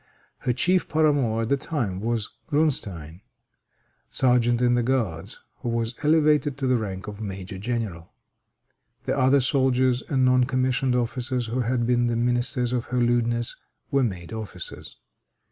Her chief paramour at the time was Grunstein, sergeant in the guards, who was elevated to the rank of major general. The other soldiers and non commissioned officers who had been the ministers of her lewdness were made officers.